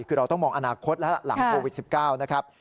คือเราต้องมองอนาคตแล้วหลังโควิด๑๙นะครับ